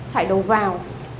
thải đầu vào